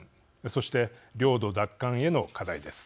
そして、領土奪還への課題です。